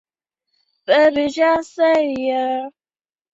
巴布亚新几内亚外长阿巴尔萨姆随后证实没打算承认中华民国政权。